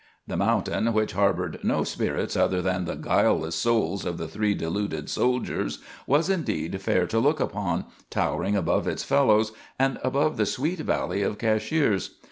The mountain, which harbored no spirits other than the guileless souls of the three deluded soldiers, was indeed fair to look upon, towering above its fellows and above the sweet valley of Cashiers.